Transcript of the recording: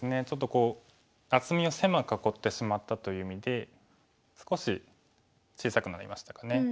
ちょっとこう厚みを狭く囲ってしまったという意味で少し小さくなりましたかね。